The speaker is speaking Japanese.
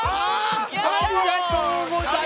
ありがとうございます！